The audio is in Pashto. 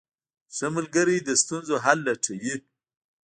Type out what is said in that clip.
ښه ملګری د ستونزو حل لټوي.